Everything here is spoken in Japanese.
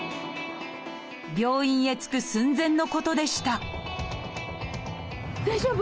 病院へ着く寸前のことでした大丈夫？